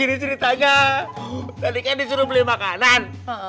ini ceritanya tadi kan disuruh beli makanan